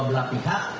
dua belah pihak